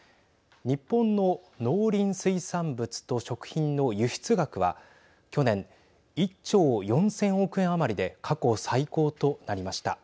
日本の農林水産物と食品の輸出額は去年１兆４０００億円余りで過去最高となりました。